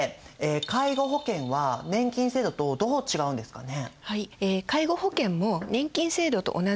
介護保険は年金制度とどう違うんですかね？